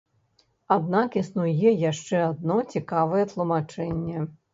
Аднак існуе яшчэ адно цікавае тлумачэнне.